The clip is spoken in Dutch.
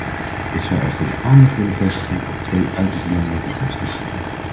Ik zou echter de aandacht willen vestigen op twee uiterst belangrijke kwesties.